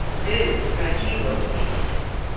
Eus. Yma diwros dhis.